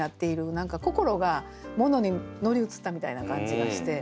何か心が物に乗り移ったみたいな感じがして。